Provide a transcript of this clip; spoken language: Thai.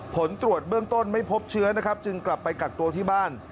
ผลตรวจเบื้องต้นไม่พบเชื้อนะครับจึงกลับไปกักตัวที่บ้าน